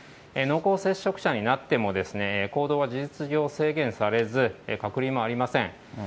濃厚接触者になっても、行動は事実上制限されず、隔離もありません。